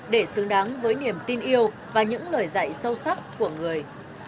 để xứng đáng với niềm tin yêu và những lời dạy sâu sắc của người